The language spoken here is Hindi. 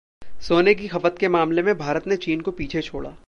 सोने की खपत के मामले में भारत ने चीन को पीछे छोड़ा